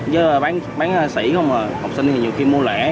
chứ bán sĩ không à học sinh thì nhiều khi mua lẻ